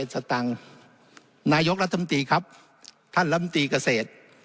สตังค์นายกรัฐมนตรีครับท่านลำตีเกษตร